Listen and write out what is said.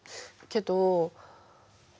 けど？